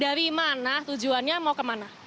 dari mana tujuannya mau kemana